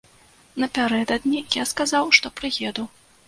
Напярэдадні я сказаў, што прыеду.